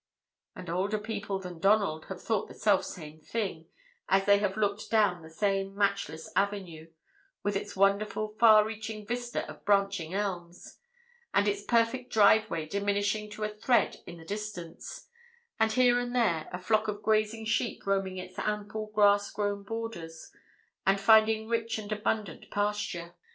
And older people than Donald have thought the selfsame thing, as they have looked down the same matchless avenue, with its wonderful far reaching vista of branching elms, and its perfect driveway diminishing to a thread in the distance, with here and there a flock of grazing sheep roaming its ample grass grown borders, and finding rich and abundant pasture.